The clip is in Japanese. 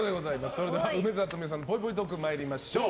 それでは、梅沢富美男さんのぽいぽいトーク参りましょう。